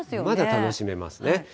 まだ楽しめますね。